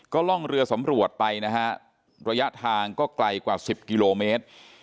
ก็ล่องเรือสำรวจไปนะฮะระยะทางก็ไกลกว่า๑๐กิโลเมตร